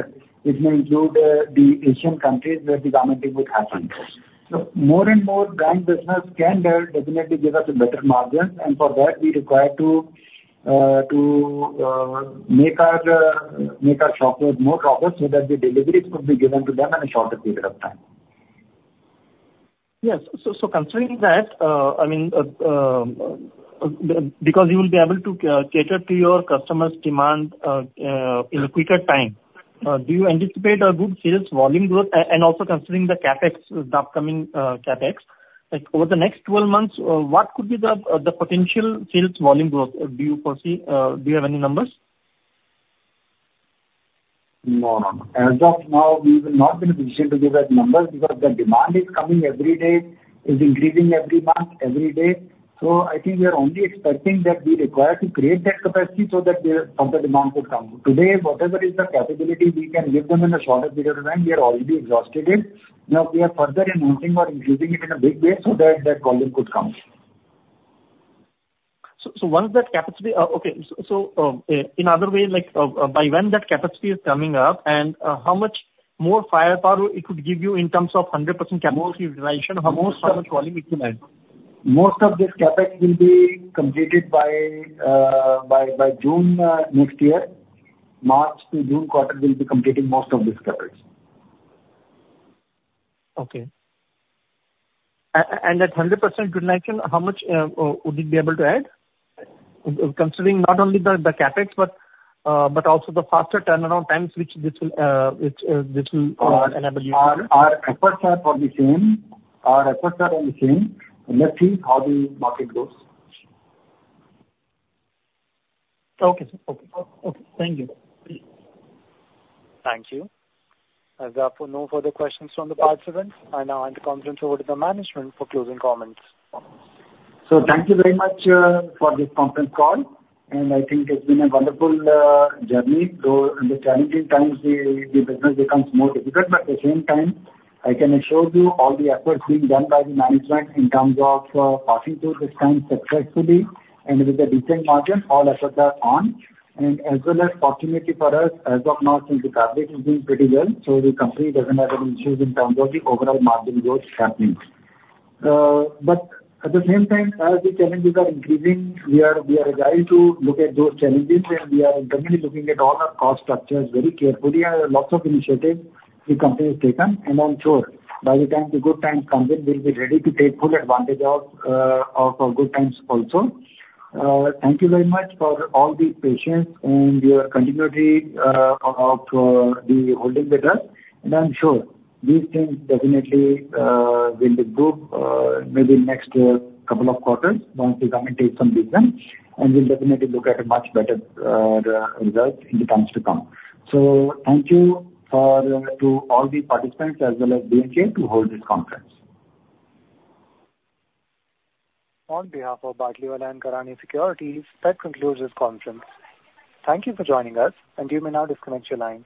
the Asian countries where the garmenting would happen. So more and more brand business can definitely give us a better margin. And for that, we require to make our shop floors more proper so that the deliveries could be given to them in a shorter period of time. Yes. So considering that, I mean, because you will be able to cater to your customers' demand in a quicker time, do you anticipate a good sales volume growth? And also considering the CapEx, the upcoming CapEx, over the next 12 months, what could be the potential sales volume growth do you foresee? Do you have any numbers? No. As of now, we will not be in a position to give that number because the demand is coming every day, is increasing every month, every day. So I think we are only expecting that we require to create that capacity so that the further demand could come. Today, whatever is the capability, we can give them in a shorter period of time. We are already exhausted it. Now, we are further enhancing or increasing it in a big way so that that volume could come. Once that capacity is okay. In other words, by when that capacity is coming up, and how much more firepower it would give you in terms of 100% capacity utilization, how much volume it will add? Most of this CapEx will be completed by June next year. March to June quarter will be completing most of this CapEx. Okay. And that 100% could likely how much would it be able to add? Considering not only the CapEx, but also the faster turnaround times, which this will enable you to do. Our efforts are for the same. Our efforts are on the same. Let's see how the market goes. Okay. Okay. Okay. Thank you. Thank you. There are no further questions from the participants. I now hand the conference over to the management for closing comments. Thank you very much for this conference call. I think it's been a wonderful journey. Though in the challenging times, the business becomes more difficult. But at the same time, I can assure you all the efforts being done by the management in terms of passing through this time successfully and with a decent margin, all efforts are on. And as well as fortunately for us, as of now, since the fabric is doing pretty well, so the company doesn't have any issues in terms of the overall margin growth happening. But at the same time, as the challenges are increasing, we are agile to look at those challenges. And we are internally looking at all our cost structures very carefully. And lots of initiatives the company has taken. And I'm sure by the time the good times come in, we'll be ready to take full advantage of our good times also. Thank you very much for all the patience and your continuity of the holding with us. And I'm sure these things definitely will improve maybe next couple of quarters once the government takes some vision. And we'll definitely look at a much better result in the times to come. So thank you to all the participants as well as B&K to hold this conference. On behalf of Batlivala & Karani Securities, that concludes this conference. Thank you for joining us. You may now disconnect your lines.